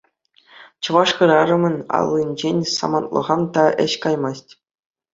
Чӑваш хӗрарӑмӗн аллинчен самантлӑха та ĕç каймасть.